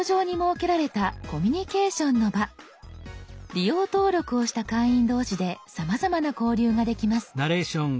利用登録をした会員同士でさまざまな交流ができます。